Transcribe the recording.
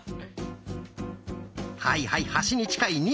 はいはい端に近い「２」。